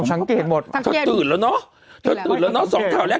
ผมสังเกตหมดสังเกตถ้าตื่นแล้ว